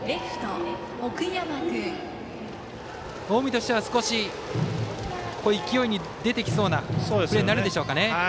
近江としては少し勢いが出てきそうなプレーになるでしょうかね。